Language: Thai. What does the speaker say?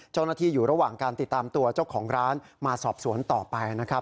อยู่ระหว่างการติดตามตัวเจ้าของร้านมาสอบสวนต่อไปนะครับ